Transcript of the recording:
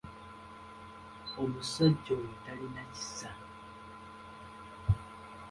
Omusajja oyo talina kisa!